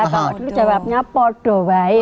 kalau dulu jawabnya podowai